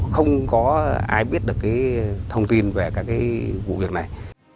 không có ai biết được thông tin về các vụ việc này